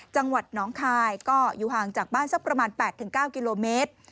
จังหวัดน้องคายก็อยู่ห่างจากบ้านสักประมาณ๘๙กิโลเมตร